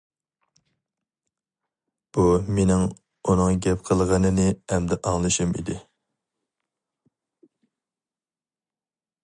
بۇ مېنىڭ ئۇنىڭ گەپ قىلغىنىنى ئەمدى ئاڭلىشىم ئىدى.